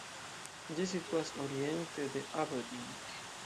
Ĝi situas oriente de Aberdeen.